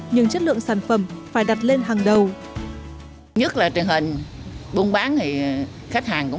nhưng chất lượng sản phẩm phải đặt lên hàng đầu